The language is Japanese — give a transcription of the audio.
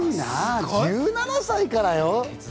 １７歳からよ。